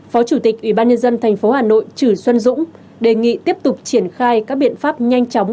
phó chủ tịch ủy ban nhân dân thành phố hà nội trữ xuân dũng đề nghị tiếp tục triển khai các biện pháp nhanh chóng